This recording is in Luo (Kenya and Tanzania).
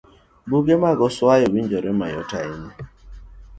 Buge mag oswayo winjore mayot ahinya.